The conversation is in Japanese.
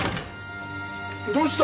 どうした？